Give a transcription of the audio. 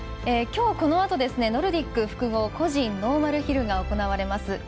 きょう、このあとノルディック複合個人ノーマルヒルが行われます。